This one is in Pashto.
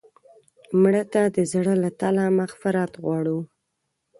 مړه ته د زړه له تله مغفرت غواړو